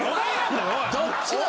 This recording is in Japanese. どっちの。